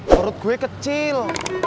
turut gue kecil